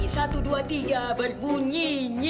satu dua tiga berbunyi